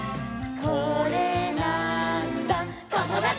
「これなーんだ『ともだち！』」